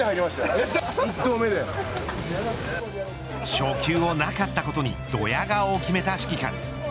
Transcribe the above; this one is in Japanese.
初球をなかったことにどや顔を決めた指揮官。